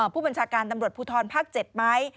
ผู้บัญชาการตำรวจภูทรภาค๗ไหม